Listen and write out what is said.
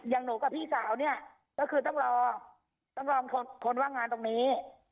อย่างหนูกับพี่สาวเนี่ยก็คือต้องรอต้องรอคนว่างงานตรงนี้